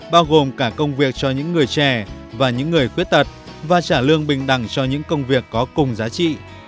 bao gồm cả công việc cho những người trẻ và những người khuyết tật và trả lương bình đẳng cho những công việc có cùng giá trị